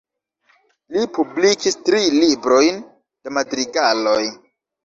Li publikis tri librojn da madrigaloj.